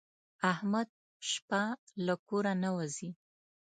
احمد شپه له کوره نه وځي.